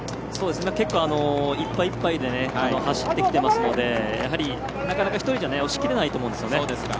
結構、いっぱいいっぱいで走ってきていますのでなかなか、１人じゃ押し切れないと思うんですよね。